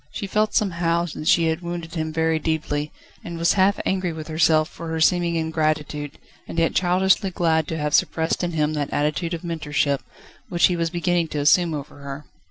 She felt somehow that she had wounded him very deeply, and was half angry with herself for her seeming ingratitude, and yet childishly glad to have suppressed in him that attitude of mentorship, which he was beginning to assume over her.